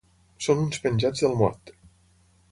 Són uns penjats del mot.